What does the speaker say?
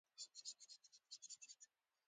د غره سر ته چې ورسېدم.